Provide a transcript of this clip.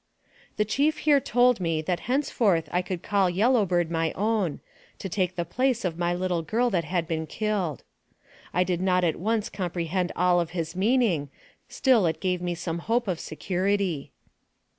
The chief here told me that henceforth I could call Yellow Bird my own, to take the place of my little girl that had been killed. I did not at once compre hend all of his meaning, still it gave me some hope of security.